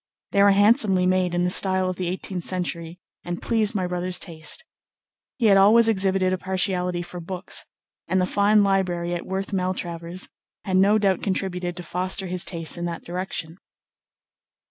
They were handsomely made in the style of the eighteenth century and pleased my brother's taste. He had always exhibited a partiality for books, and the fine library at Worth Maltravers had no doubt contributed to foster his tastes in that direction.